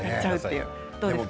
どうですか？